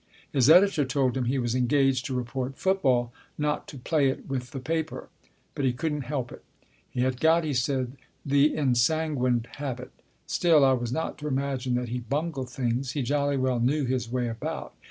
His editor told him he was engaged to report football, not to play it with the paper. But he couldn't help it. He had got, he said, the ensanguined habit. Still, I was not to imagine that he bungled things. He jolly well knew his way about.